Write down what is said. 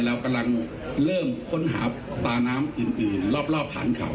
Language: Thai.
เรากำลังเริ่มค้นหับตาน้ำอื่นอื่นรอบรอบฐานเข่า